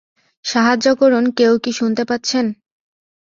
সাহায্য করুন কেউ কি শুনতে পাচ্ছেন?